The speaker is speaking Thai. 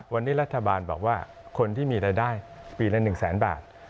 วันนี้รัฐบาลบอกว่าคนที่มีรายได้ปีละ๑แสนบาท